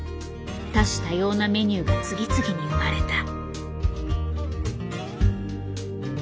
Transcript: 多種多様なメニューが次々に生まれた。